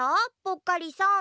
ぽっかりさん。